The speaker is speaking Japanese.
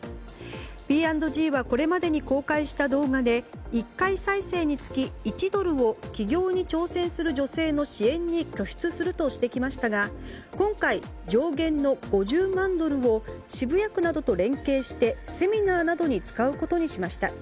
Ｐ＆Ｇは、これまでに公開した動画で１回再生につき１ドルを起業に挑戦する女性の支援に拠出するとしてきましたが今回、上限の５０万ドルを渋谷区などと連携してセミナーなどに使うことにしました。